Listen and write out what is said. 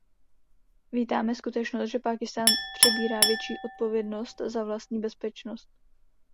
Vítáme skutečnost, že Pákistán přebírá větší odpovědnost za vlastní bezpečnost.